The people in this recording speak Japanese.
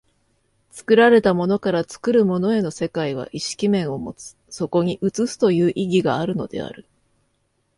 作られたものから作るものへの世界は意識面を有つ、そこに映すという意義があるのである。